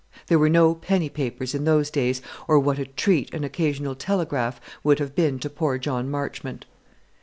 There were no penny papers in those days, or what a treat an occasional "Telegraph" would have been to poor John Marchmont!